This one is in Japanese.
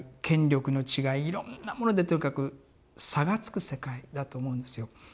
権力の違いいろんなものでとにかく差がつく世界だと思うんですよ。